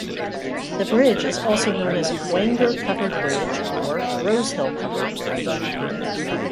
The bridge is also known as Wenger Covered Bridge or Rose Hill Covered Bridge.